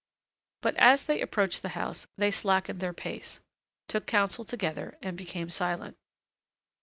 But, as they approached the house, they slackened their pace, took counsel together, and became silent.